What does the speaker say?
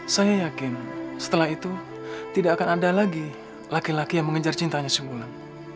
saya yakin setelah itu tidak akan ada lagi laki laki yang mengejar cintanya sebulan